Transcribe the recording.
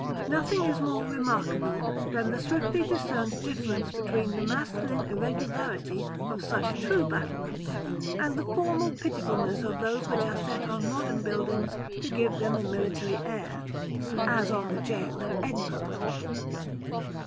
Nothing is more remarkable than the swiftly discerned difference between the masculine irregularity of such true battlements, and the formal pitifulness of those which are set on modern buildings to give them a military air, as on the jail at Edinburgh.